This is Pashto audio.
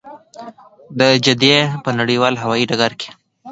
د جدې په نړیوال هوايي ډګر کې.